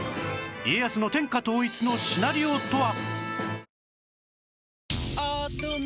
家康の天下統一のシナリオとは？